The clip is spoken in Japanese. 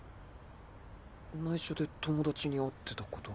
内緒で友達に会ってたこと。